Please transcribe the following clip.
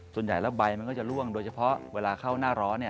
ส่วนใหญ่แล้วใบมันก็จะล่วงโดยเฉพาะเวลาเข้าหน้าร้อน